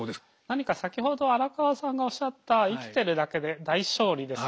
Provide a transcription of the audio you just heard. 何か先ほど荒川さんがおっしゃった生きてるだけで大勝利ですよね。